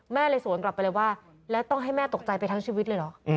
แม่เลยสวนกลับไปเลยว่าแล้วต้องให้แม่ตกใจไปทั้งชีวิตเลยเหรอ